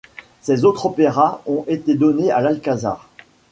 Ses autres opéras ont été donnés à l'Alcazar.